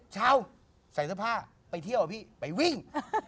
เช้าใส่เสื้อผ้าไปเที่ยวพี่ไปวิ่ง